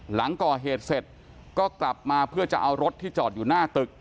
หลังก่อเหตุเสร็จก็กลับมาเพื่อจะเอารถที่จอดอยู่หน้าตึก